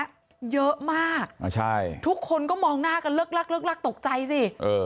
เยอะมากทุกคนก็มองหน้ากันเลิกตกใจสิ